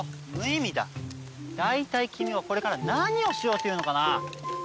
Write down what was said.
大体君はこれから何をしようというのかな？